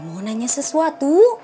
mau nanya sesuatu